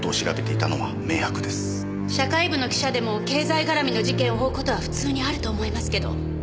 社会部の記者でも経済絡みの事件を追う事は普通にあると思いますけど。